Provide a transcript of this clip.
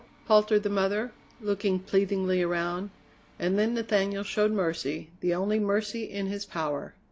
faltered the mother, looking pleadingly around. And then Nathaniel showed mercy, the only mercy in his power.